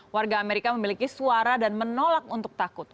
warga amerika memiliki suara dan menolak untuk takut